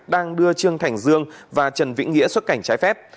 đang đưa trương thành dương và trần vĩnh nghĩa xuất cảnh trái phép